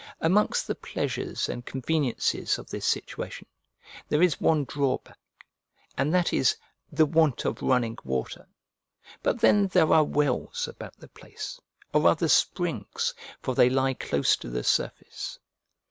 Amongst the pleasures and conveniences of this situation, there is one drawback, and that is, the want of running water; but then there are wells about the place, or rather springs, for they lie close to the surface.